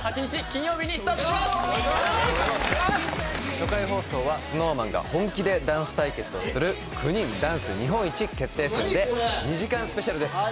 初回放送はＳｎｏｗＭａｎが本気でダンス対決をする９人ダンス日本一決定戦で２時間ＳＰです